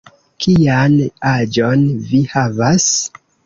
Kian aĝon vi havas?